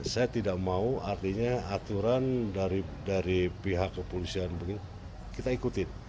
saya tidak mau artinya aturan dari pihak kepolisian begitu kita ikutin